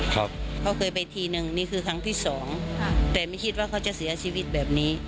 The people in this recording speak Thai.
เขาเคยไปทีนึงนี่คือครั้งที่สองค่ะแต่ไม่คิดว่าเขาจะเสียชีวิตแบบนี้